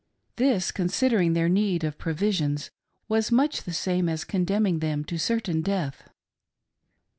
This, considering their need of provi sions, was much the same as condemning them to certain death.